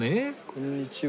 こんにちは。